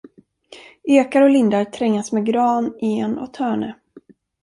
Ekar och lindar trängas med gran, en och törne.